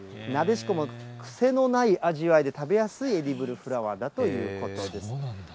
なでしこも癖のない味わいで、食べやすいエディブルフラワーだということです。